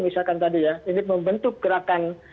misalkan tadi ya ini membentuk gerakan